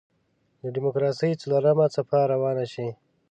د دیموکراسۍ څلورمه څپه روانه شي.